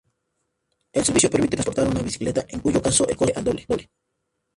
El servicio permite transportar una bicicleta, en cuyo caso el costo sube al doble.